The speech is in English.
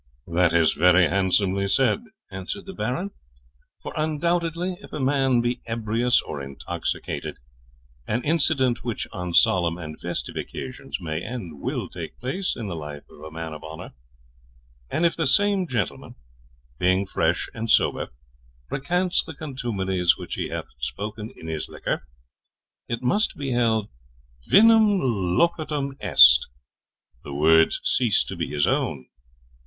'That is very handsomely said,' answered the Baron; 'for undoubtedly, if a man be ebrius, or intoxicated, an incident which on solemn and festive occasions may and will take place in the life of a man of honour; and if the same gentleman, being fresh and sober, recants the contumelies which he hath spoken in his liquor, it must be held vinum locutum est; the words cease to be his own.